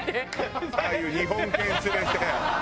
ああいう日本犬連れて。